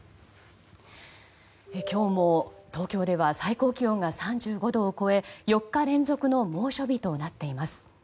今日も東京では最高気温が３５度を超え４日連続の猛暑日となっています。